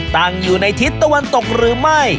ตั้งอยู่ในทิศตะวันตกหรือไม่